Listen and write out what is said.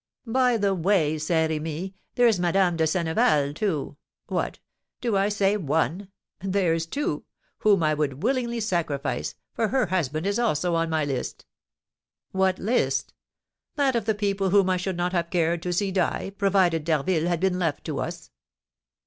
"By the way, Saint Remy, there's Madame de Senneval, too, what, do I say one? There's two whom I would willingly sacrifice, for her husband is also on my list." "What list?" "That of the people whom I should not have cared to see die, provided D'Harville had been left to us."